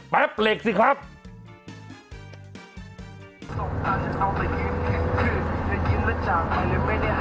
เปิดไฟขอทางออกมาแล้วอ่ะ